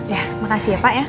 ya makasih ya pak ya